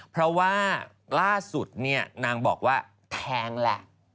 เพราะว่าล่าสุดเนี่ยนางบอกว่าแทงแหละ